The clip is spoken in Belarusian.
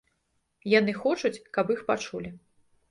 Яны хочуць, каб іх пачулі.